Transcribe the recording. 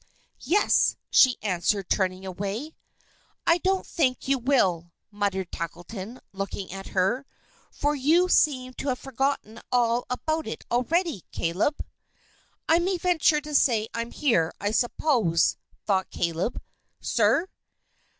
"Yes," she answered, turning away. "I don't think you will," muttered Tackleton, looking at her; "for you seem to have forgotten all about it already. Caleb!" "I may venture to say I'm here, I suppose," thought Caleb. "Sir?"